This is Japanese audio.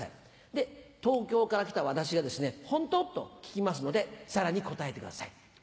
で東京から来た私が「本当？」と聞きますのでさらに答えてください。